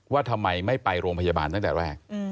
ว่าทำไมไม่ไปโรงพยาบาลตั้งแต่แรก